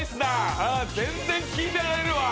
全然聞いてられるわ。